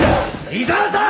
井沢さん！